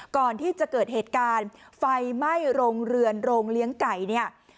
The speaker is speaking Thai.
ก่อนที่จะเกิดเหตุการณ์ไฟไหม้โรงเรือนโรงเลี้ยงไก่เนี่ย